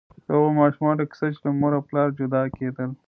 د هغو ماشومانو کیسه چې له مور او پلار جلا کېدل.